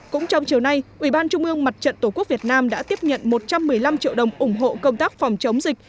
cũng trong chiều nay ubnd tổ quốc việt nam đã tiếp nhận một trăm một mươi năm triệu đồng ủng hộ công tác phòng chống dịch